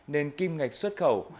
nên kim ngạch xuất khẩu